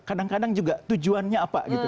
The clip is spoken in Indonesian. kadang kadang juga tujuannya apa gitu